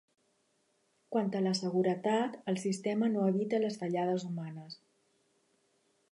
Quant a la seguretat el sistema no evita les fallades humanes.